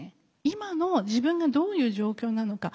今の自分がどういう状況なのか。